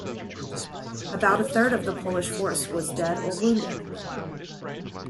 About a third of the Polish force was dead or wounded.